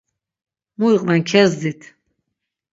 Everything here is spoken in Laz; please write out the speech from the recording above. Mu iqven kezdit.